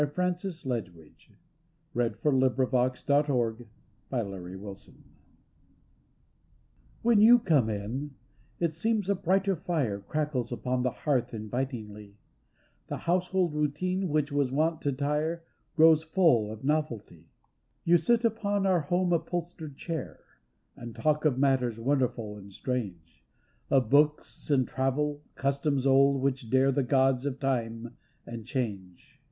275 TO ONE WHO COMES NOW AND THEN When you come in, it seems a brighter fire Crackles upon the hearth invitingly, The household routine which was wont to tire Grows full of novelty. You sit upon our home upholstered chair And talk of matters wonderful and strange. Of books, and travel, customs old which dare The gods of Time and Change.